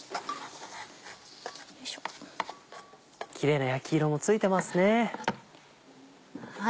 キレイな焼き色もついてますね。